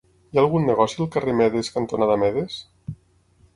Hi ha algun negoci al carrer Medes cantonada Medes?